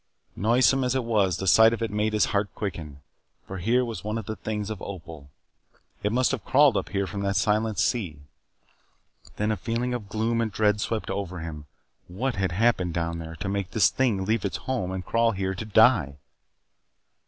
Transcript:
Noisome as it was, the sight of it made his heart quicken, for here was one of the things of Opal. It must have crawled up here from that silent sea. Then a feeling of gloom and dread swept over him. What had happened down there to make this thing leave its home and crawl here to die!